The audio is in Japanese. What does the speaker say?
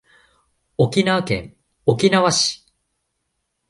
沖縄県沖縄市